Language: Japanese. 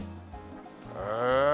へえ！